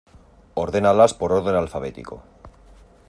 Ordénalas por orden alfabético.